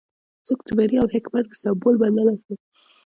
څوکه د بري او حکمت په سمبول بدله شوه.